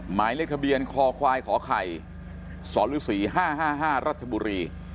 หมายเลขเบียนคอควายขอไข่ศรศรีห้าห้าห้ารัชบุรี